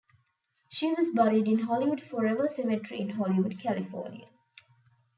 She was buried in Hollywood Forever Cemetery in Hollywood, California.